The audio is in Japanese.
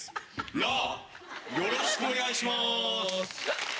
ラよろしくお願いします。